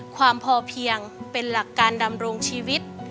ความพอเพียงเป็นหลักการดำรงชีวิต